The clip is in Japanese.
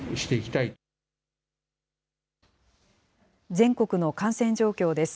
全国の感染状況です。